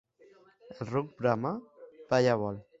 El ruc brama? Palla vol.